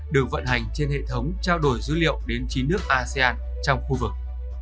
được vận hành trên hệ thống trao đổi dữ liệu đến chín nước asean trong khu vực